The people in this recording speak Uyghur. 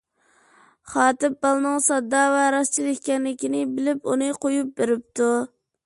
خاتىپ بالىنىڭ ساددا ۋە راستچىل ئىكەنلىكىنى بىلىپ ئۇنى قويۇپ بېرىپتۇ.